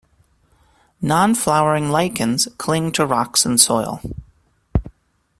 Non-flowering lichens cling to rocks and soil.